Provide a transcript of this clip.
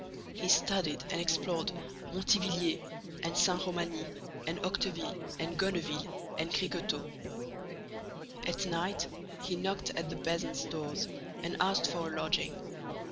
He studied and explored Montivilliers and Saint Romani and Octeville and Gonneville and Criquetot. At night, he knocked at the peasants' doors and asked for a lodging.